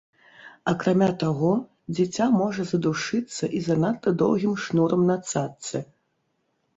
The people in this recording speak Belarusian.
Акрамя таго, дзіця можа задушыцца і занадта доўгім шнурам на цаццы.